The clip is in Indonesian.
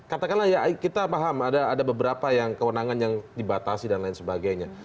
katakanlah ya kita paham ada beberapa yang kewenangan yang dibatasi dan lain sebagainya